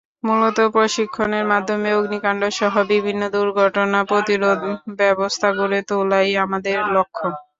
মূলত প্রশিক্ষণের মাধ্যমে অগ্নিকাণ্ডসহ বিভিন্ন দুর্ঘটনা প্রতিরোধ-ব্যবস্থা গড়ে তোলাই আমাদের লক্ষ্য।